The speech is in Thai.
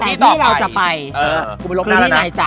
ที่ต่อไปคือที่ไหนจ๊ะคือที่ไหนจ๊ะคือที่ไหนจ๊ะ